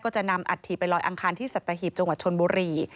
จะนำอัฐิไปลอยอังคารที่สัตหีบจังหวัดชนบุรี